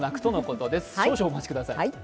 少々お待ちください。